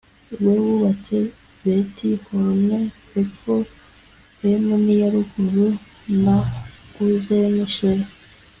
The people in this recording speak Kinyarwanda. we wubatse Beti Horonil y epfo m n iya ruguru n na Uzeni Shera